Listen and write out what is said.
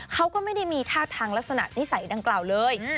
เขาก็ไม่ได้มีท่าทางลักษณะนิสัยดังกล่าวเลย